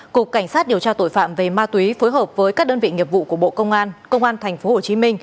cục cảnh sát điều tra tội phạm về ma túy phối hợp với các đơn vị nghiệp vụ của bộ công an công an tp hcm